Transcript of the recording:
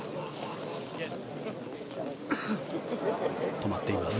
止まっています。